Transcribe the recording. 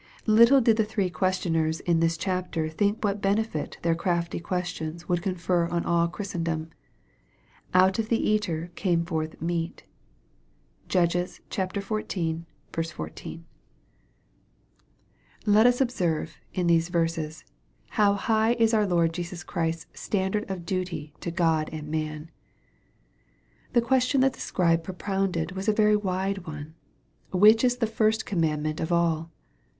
Little did the three questioners in this chapter think what benefit their crafty questions would confer on all Christendom " Out of the eater came forth meat." (Judges xiv. 14.) 262 EXPOSITOKY THOUGHTS. Let us observe, iu these verses, how high is our Lord Jesus Christ s standard of duty to God and man. The question that the Scribe propounded was a very wide one :" Which is the first commandment of all